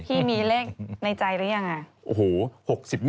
พี่มีเลขในใจหรือยังไง